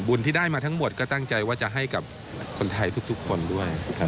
ที่ได้มาทั้งหมดก็ตั้งใจว่าจะให้กับคนไทยทุกคนด้วย